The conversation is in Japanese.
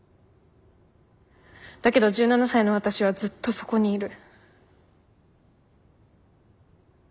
だけど１７才の私はずっとそこにいる。